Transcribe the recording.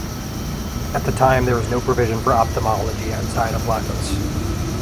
At the time there was no provision for ophthalmology outside of Lagos.